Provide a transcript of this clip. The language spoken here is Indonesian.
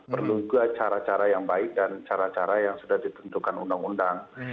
perlu juga cara cara yang baik dan cara cara yang sudah ditentukan undang undang